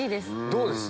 どうです？